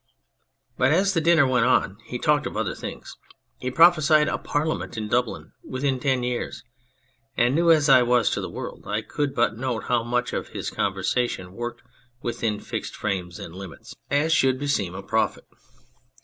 But as the dinner went on he talked of other things ; he prophesied a Par liament in Dublin " within ten years," and, new as I was to the world, I could but note how much of his conversation worked within fixed frames and limits, 65 p On Anything as should beseem a prophet.